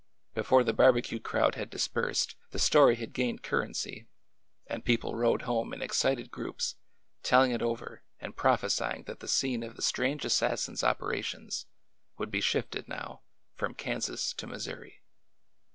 Before the bar becue crowd had dispersed, the story had gained currency, and people rode home in excited groups, telling it over and prophesying that the scene of the strange assassin's operations would be shifted now from Kansas to Mis souri.